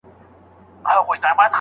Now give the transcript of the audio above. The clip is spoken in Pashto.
که ته په املا کي د جملو په مانا پوه سې.